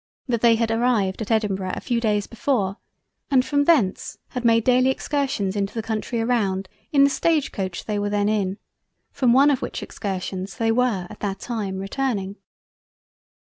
That they had arrived at Edinburgh a few Days before and from thence had made daily Excursions into the Country around in the Stage Coach they were then in, from one of which Excursions they were at that time returning.